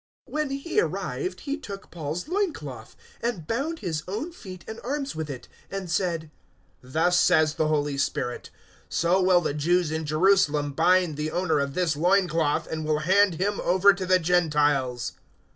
021:011 When he arrived he took Paul's loincloth, and bound his own feet and arms with it, and said, "Thus says the Holy Spirit, `So will the Jews in Jerusalem bind the owner of this loincloth, and will hand him over to the Gentiles.'"